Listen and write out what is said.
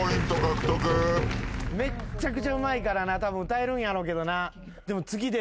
めっちゃくちゃうまいからなたぶん歌えるんやろうけどな。